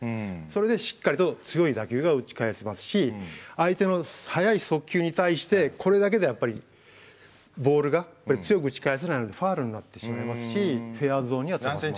それでしっかりと強い打球が打ち返せますし相手の速い速球に対してこれだけではボールがやっぱり強く打ち返せないのでファウルになってしまいますしフェアゾーンには飛ばせませんね。